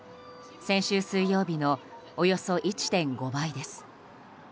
先週水曜日のおよそ１．５倍です。